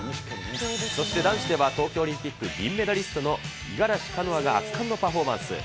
そして男子では東京オリンピック銀メダリストの五十嵐カノアが圧巻のパフォーマンス。